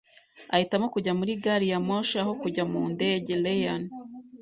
Ahitamo kujya muri gari ya moshi aho kujya mu ndege. (reyaln)